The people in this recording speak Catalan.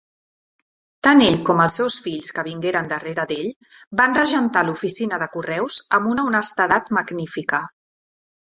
Tant ell com els seus fills que vingueren darrere d'ell van regentar l'oficina de correus amb una honestedat magnífica.